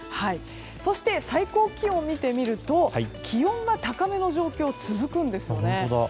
そして最高気温を見てみると気温が高めの状況続くんですね。